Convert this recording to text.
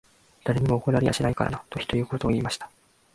誰にも怒られやしないからな。」と、独り言を言いました。